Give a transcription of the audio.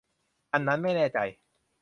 อันนั้นไม่แน่ใจ